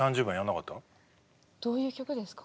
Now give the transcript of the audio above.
どういう曲ですか？